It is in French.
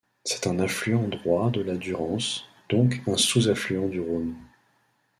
C'est un affluent droit de la Durance, donc un sous-affluent du Rhône.